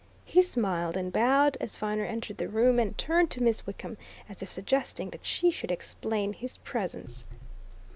He smiled and bowed as Viner entered the room, and turned to Miss Wickham as if suggesting that she should explain his presence.